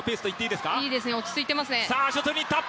いいですね、落ち着いてますね。